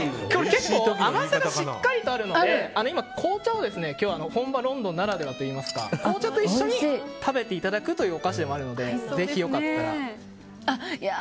結構甘さがしっかりとあるので紅茶を本場ロンドンならではといいますか、紅茶と一緒に食べていただくというお菓子でもあるので合う！